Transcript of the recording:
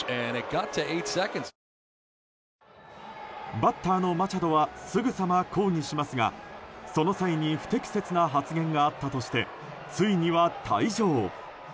バッターのマチャドはすぐさま抗議しますがその際に不適切な発言があったとして、ついには退場。